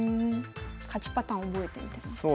勝ちパターン覚えてるんですね。